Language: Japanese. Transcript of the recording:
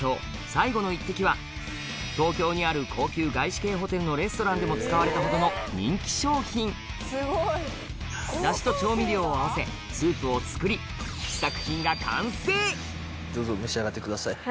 「最後の一滴」は東京にある高級外資系ホテルのレストランでも使われたほどの人気商品ダシと調味料を合わせスープを作りどうぞ召し上がってください。